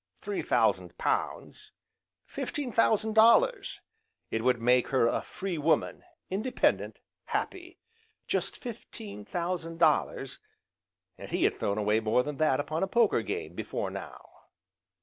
Three thousand pounds, fifteen thousand dollars! It would make her a free woman, independent, happy! Just fifteen thousand dollars, and he had thrown away more than that upon a poker game, before now!